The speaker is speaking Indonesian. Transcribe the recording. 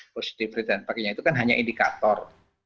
positive rate dan sebagainya itu kan hanya indikator